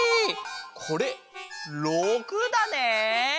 これ６だね。